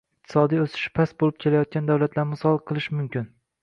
iqtisodiy o‘sishi past bo‘lib kelayotgan davlatlarni misol qilish mumkin.